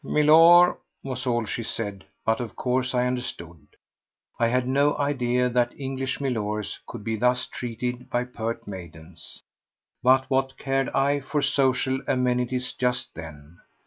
"Milor!" was all she said, but of course I understood. I had no idea that English milors could be thus treated by pert maidens. But what cared I for social amenities just then?